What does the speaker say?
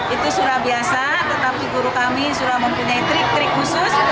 itu sudah biasa tetapi guru kami sudah mempunyai trik trik khusus